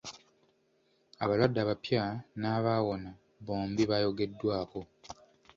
Abalwadde abapya n'abaawona bombi baayogeddwako.